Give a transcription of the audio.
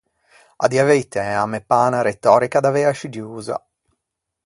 À dî a veitæ, a me pâ unna retòrica davei ascidiosa.